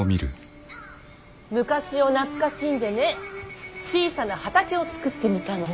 昔を懐かしんでね小さな畑を作ってみたの。